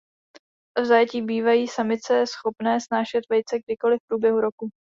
V zajetí bývají samice schopné snášet vejce kdykoli v průběhu roku.